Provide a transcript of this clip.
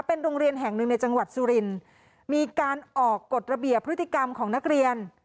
เป็นโรงเรียนแห่งหนึ่งในจังหวัดสุรินทร์มีการออกกฎระเบียบพฤติกรรมของนักเรียน